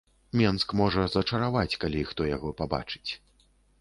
Менск можа зачараваць, калі хто яго пабачыць.